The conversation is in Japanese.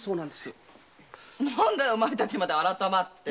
何だいお前たちまで改まって。